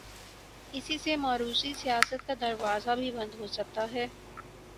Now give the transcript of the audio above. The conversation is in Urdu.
اسی سے موروثی سیاست کا دروازہ بھی بند ہو سکتا ہے۔